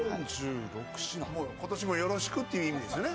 今年もよろしくっていう意味ですよね。